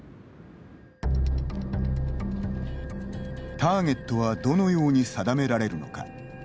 ターゲットはどのように定められるのか。